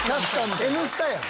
『Ｎスタ』やん！